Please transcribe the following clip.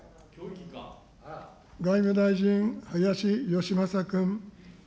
外務大臣、林芳正君。